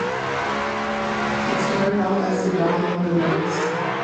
It started off as the "Don Roller Mills".